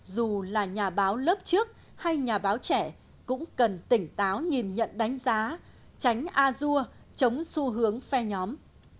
dù là nhà báo lớp trước hay nhà báo trẻ cũng cần tỉnh táo nhìn nhận đánh giá tránh a dua chống xu hướng phe nhóm